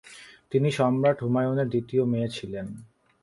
তিনি সম্রাট হুমায়ুনের দ্বিতীয় মেয়ে ছিলেন।